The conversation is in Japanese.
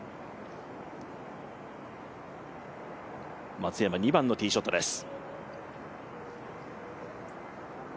松山、２番のティーショットです。